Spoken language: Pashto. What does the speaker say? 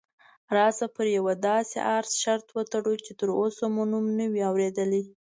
راشه پر یوه داسې اس شرط وتړو چې تراوسه مو نوم نه وي اورېدلی.